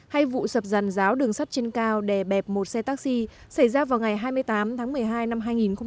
hay vụ sập giàn giáo đường sắt trên cao đè bẹp một xe taxi xảy ra vào ngày hai mươi tám tháng một mươi hai năm hai nghìn một mươi bảy